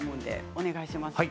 お願いします。